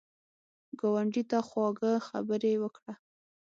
ګاونډي ته خواږه خبرې وکړه